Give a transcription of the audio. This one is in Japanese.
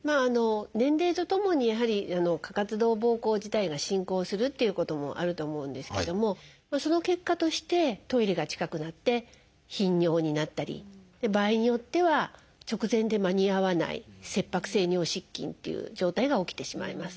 年齢とともにやはり過活動ぼうこう自体が進行するっていうこともあると思うんですけどもその結果としてトイレが近くなって頻尿になったり場合によっては直前で間に合わない「切迫性尿失禁」っていう状態が起きてしまいます。